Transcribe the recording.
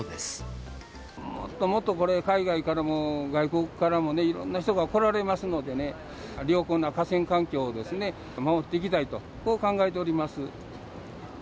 もっともっと、これ、海外からも外国からもね、いろんな人が来られますのでね、良好な河川環境を守っていきたいと、こう考えております。